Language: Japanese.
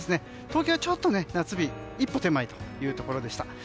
東京はちょっと夏日一歩手前というところでした。